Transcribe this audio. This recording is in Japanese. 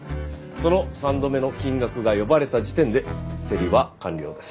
その３度目の金額が呼ばれた時点で競りは完了です。